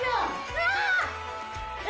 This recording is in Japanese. うわ！